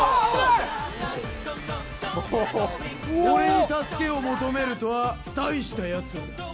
俺に助けを求めるとはたいしたやつらだ。